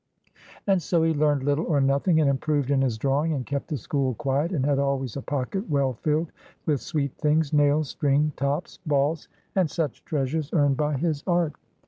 And so he learned little or nothing, and improved in his drawing, and kept the school quiet, and had always a pocket well filled with sweet things, nails, string, tops, balls, and such treasures, earned by his art.